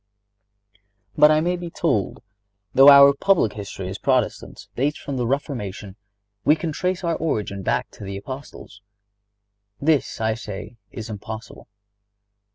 But I may be told: "Though our public history as Protestants dates from the Reformation, we can trace our origin back to the Apostles." This I say is impossible.